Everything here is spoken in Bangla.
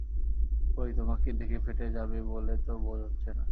কই, তোমাকে দেখে ফেটে যাবে বলে তো বোধ হচ্ছে না।